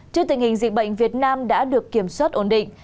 trước tình hình dịch bệnh việt nam đã được kiểm soát ổn định